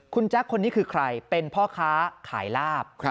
คุณแจ๊คคนนี้คือใครเป็นพ่อค้าขายลาบ